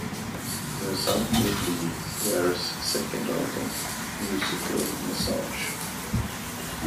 The result would be Ware's second album, "Musical Massage".